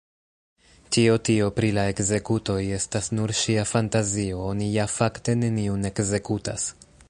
Ĉio tio pri la ekzekutoj estas nur ŝia fantazio; oni ja fakte neniun ekzekutas!